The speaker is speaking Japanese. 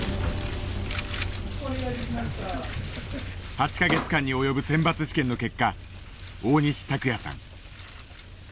８か月間に及ぶ選抜試験の結果大西卓哉さん。